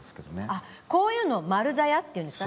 あっこういうのを丸ざやっていうんですか。